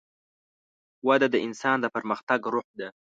وده د انسان د پرمختګ روح ده.